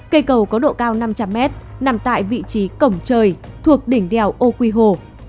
cây cầu có độ cao năm trăm linh mét nằm tại vị trí cổng trời thuộc đỉnh đèo âu quy hồ